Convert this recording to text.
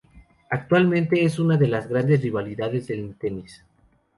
Actualmente es una de las grandes rivalidades en el tenis.